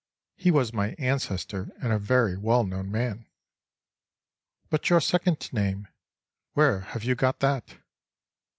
He was my ancestor and a very well known man."—"But your second name, where have you got that?"